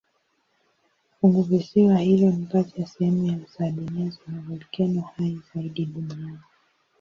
Funguvisiwa hilo ni kati ya sehemu za dunia zenye volkeno hai zaidi duniani.